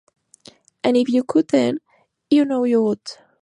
And if you could then you know you would.